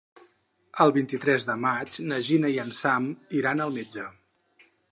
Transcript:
El vint-i-tres de maig na Gina i en Sam iran al metge.